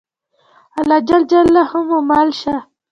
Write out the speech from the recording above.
الله ج مو مل شه.